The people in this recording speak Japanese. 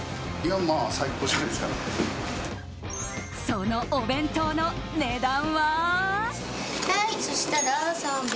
そのお弁当の値段は？